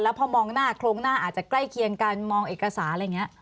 พอมองหน้าโครงหน้าอาจจะใกล้เคียงกันมองเอกสารอะไรอย่างนี้